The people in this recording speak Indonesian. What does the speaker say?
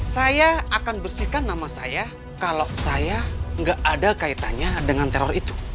saya akan bersihkan nama saya kalau saya nggak ada kaitannya dengan teror itu